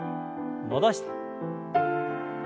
戻して。